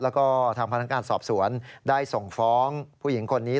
แล้วก็ทางพนักงานสอบสวนได้ส่งฟ้องผู้หญิงคนนี้